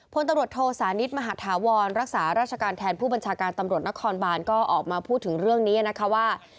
พลตำรวจโทสานิทมหาธาวรรักษาราชการแทนผู้บัญชาการตำรวจนครบานก็ออกมาพูดถึงเรื่องนี้นะคะว่า